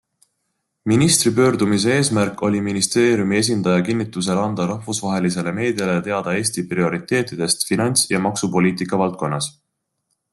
Ministri pöördumise eesmärk oli ministeeriumi esindaja kinntusel anda rahvusvahelisele meediale teada Eesti prioriteetidest finants- ja maksupoliitika valdkonnas.